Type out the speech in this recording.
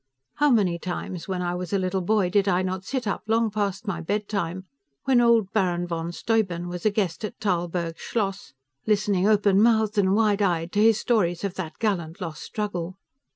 How many times, when I was a little boy, did I not sit up long past my bedtime, when old Baron von Steuben was a guest at Tarlburg Schloss, listening open mouthed and wide eyed to his stories of that gallant lost struggle!